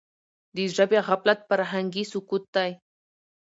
د ژبي غفلت فرهنګي سقوط دی.